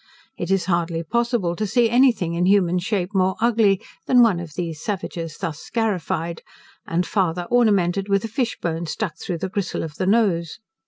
It is hardly possible to see any thing in human shape more ugly, than one of these savages thus scarified, and farther ornamented with a fish bone struck through the gristle of the nose.